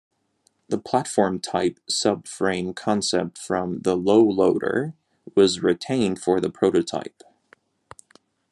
The platform-type sub-frame concept from the Lowloader was retained for the prototype.